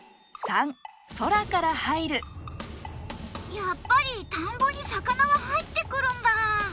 やっぱり田んぼに魚は入ってくるんだ。